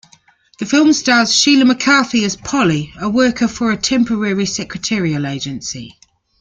The film stars Sheila McCarthy as Polly, a worker for a temporary secretarial agency.